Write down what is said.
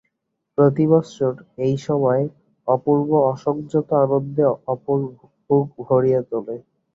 প্রতি বৎসর এই সময় অপূর্ব অসংযত আনন্দে অপুর বুক ভরিয়া তোলে।